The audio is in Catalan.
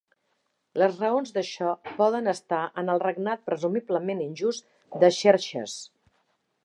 Les raons d'això poden estar en el regnat presumiblement injust de Xerxes.